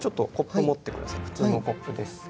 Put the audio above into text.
普通のコップです。